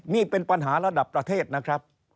นี่เป็นปัญหาระดับประเทศนะครับ